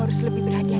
saya sudah menerima